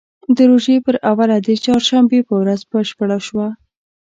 د روژې پر اوله د چهارشنبې په ورځ بشپړه شوه.